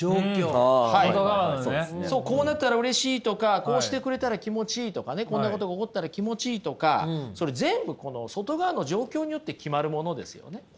こうなったらうれしいとかこうしてくれたら気持ちいいとかねこんなことが起こったら気持ちいいとかそれ全部この外側の状況によって決まるものですよね。